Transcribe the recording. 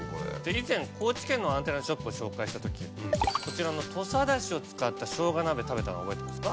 以前高知県のアンテナショップを紹介したときこちらの土佐だしを使った生姜鍋食べたの覚えてますか？